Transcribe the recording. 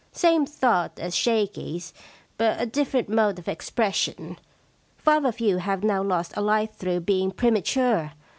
Same thought as Shakey^s, but a different mode of expression. Five of you have now lost a life through being premature.